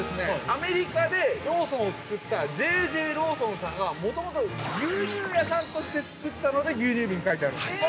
アメリカでローソンを作ったＪ．Ｊ．ローソンさんがもともと牛乳屋さんとして作ったので牛乳瓶が描いてあるんですよ。